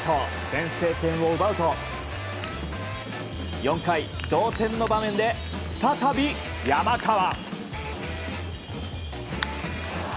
先制点を奪うと４回、同点の場面で再び山川。